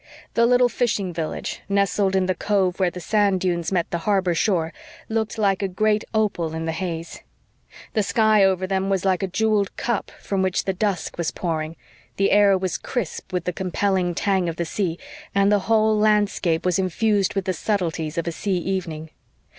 The little fishing village, nestled in the cove where the sand dunes met the harbor shore, looked like a great opal in the haze. The sky over them was like a jewelled cup from which the dusk was pouring; the air was crisp with the compelling tang of the sea, and the whole landscape was infused with the subtleties of a sea evening.